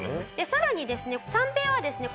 さらにですね三平はですね